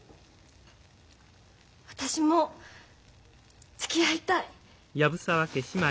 私もつきあいたい。